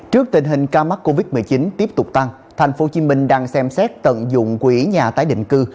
trước tình hình ca mắc covid một mươi chín tiếp tục tăng tp hcm đang xem xét tận dụng quỹ nhà tái định cư